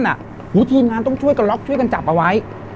โอ้โหทีมงานต้องช่วยกันล็อกช่วยกันจับเอาไว้